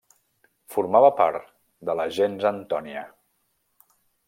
Formava part de la gens Antònia.